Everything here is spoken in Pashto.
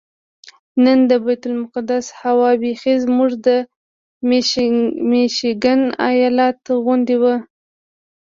نن د بیت المقدس هوا بیخي زموږ د میشیګن ایالت غوندې وه.